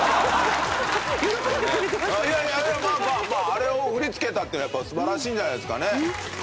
あれを振り付けたっていうのは素晴らしいんじゃないですかね。